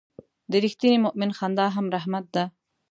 د رښتیني مؤمن خندا هم رحمت ده.